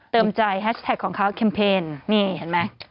เติมใจแฮชแท็กของเขาแคมเพนนี่เห็นไหม